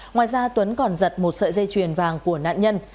ngoài ra tuấn còn giật một sợi dây chuyền vàng của nạn nhân